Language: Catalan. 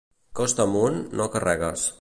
Costa amunt, no carregues.